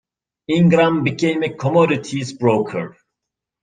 Ingram became a commodities broker.